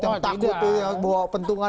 yang takut tuh yang bawa pentungan